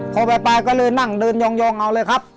พอบ่ายก็เลยนั่งเดินยองเอาเลยครับ